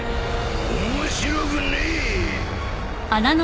面白くねえ。